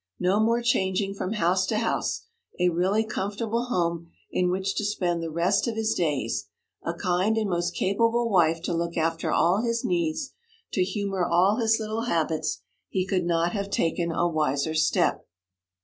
No more changing from house to house; a really comfortable home in which to spend the rest of his days; a kind and most capable wife to look after all his needs, to humour all his little habits. He could not have taken a wiser step.